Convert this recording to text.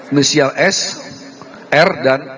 inisial s r dan